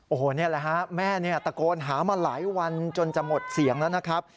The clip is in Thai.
โอ้โหนี่แหละฮะแม่ตะโกนหามาหลายวันจนจะหมดเสียงแล้วนะครับ